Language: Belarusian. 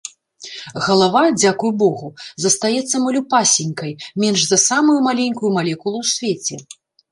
Галава — дзякуй Богу — застаецца малюпасенькай, меньш за самую маленькую малекулу ў свеце.